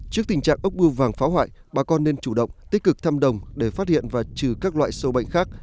trước tình trạng ốc bưa vàng phá hoại bà con nên chủ động tích cực thăm đồng để phát hiện và trừ các loại sâu bệnh khác